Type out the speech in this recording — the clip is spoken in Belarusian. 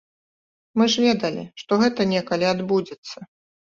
Мы ж ведалі, што гэта некалі адбудзецца.